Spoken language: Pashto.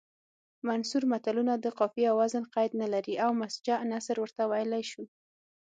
منثور متلونه د قافیې او وزن قید نلري او مسجع نثر ورته ویلی شو